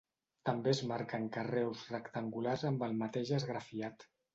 També es marquen carreus rectangulars amb el mateix esgrafiat.